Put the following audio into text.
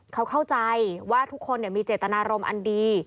เขาเข้าใจว่าทุกคนมีเจตนารมณ์อันดี